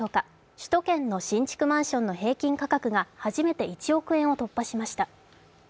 首都圏の新築マンションの平均価格が初めて１億円を突破しました。